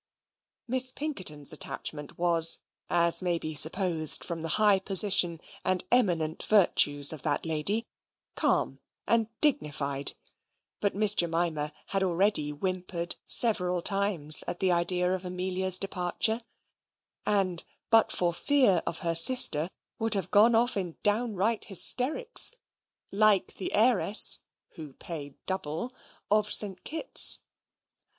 Miss Pinkerton's attachment was, as may be supposed from the high position and eminent virtues of that lady, calm and dignified; but Miss Jemima had already whimpered several times at the idea of Amelia's departure; and, but for fear of her sister, would have gone off in downright hysterics, like the heiress (who paid double) of St. Kitt's.